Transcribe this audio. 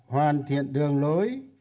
hoàn thiện đường lối